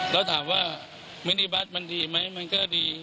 แล้วถามว่ามินิบัตรมันดีไหมมันก็ดี